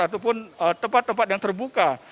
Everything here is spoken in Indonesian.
ataupun tempat tempat yang terbuka